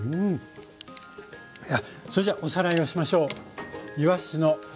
それじゃおさらいをしましょう。